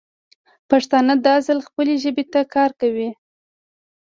پښتانه دا ځل خپلې ژبې ته کار کوي.